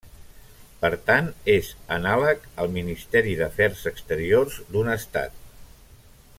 Per tant, és anàleg al Ministeri d'Afers Exteriors d'un estat.